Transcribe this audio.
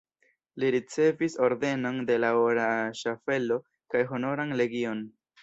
Li ricevis Ordenon de la Ora Ŝaffelo kaj Honoran legion.